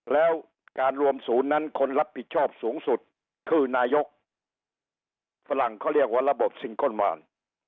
แล้วการรวมศูนย์นั้นคนรับผิดชอบสูงสุดคือนายกฝรั่งเขาเรียกว่าระบบซิงเกิ้ลมาร